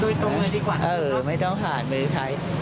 โดยตรงมือดีกว่านะครับครับอืมไม่ต้องผ่านมือใคร